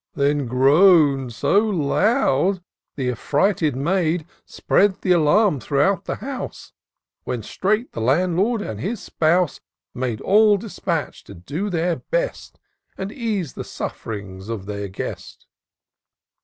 Then groan'd so loud, th' affrighted maid Spread the alarm throughout the house ; When straight the landlord and his spouse IN SEARCH OF THE PICTURESQUE. lOl Made all despatch to do their best^ And ease the sufferings of their guest.